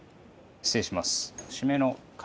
失礼します。